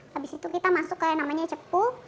habis itu kita masuk ke yang namanya cepu